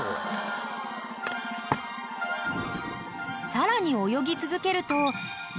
［さらに泳ぎ続けると］